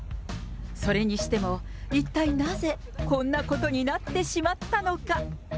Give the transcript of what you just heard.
それにしても、一体なぜ、こんなことになってしまったのか。